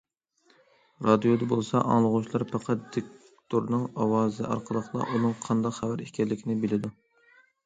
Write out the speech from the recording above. رادىيودا بولسا ئاڭلىغۇچىلار پەقەت دىكتورنىڭ ئاۋازى ئارقىلىقلا ئۇنىڭ قانداق خەۋەر ئىكەنلىكىنى بىلىدۇ.